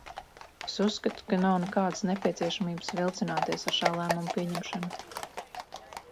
Es uzskatu, ka nav nekādas nepieciešamības vilcināties ar šā lēmuma pieņemšanu.